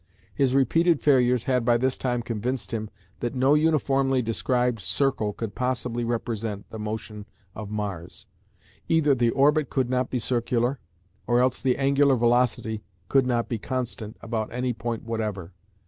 His repeated failures had by this time convinced him that no uniformly described circle could possibly represent the motion of Mars. Either the orbit could not be circular, or else the angular velocity could not be constant about any point whatever.